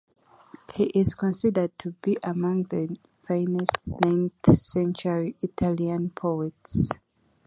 He is considered to be among the finest nineteenth-century Italian poets.